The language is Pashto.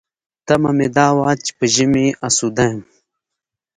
تمه مې دا وه چې په ژمي اسوده یم.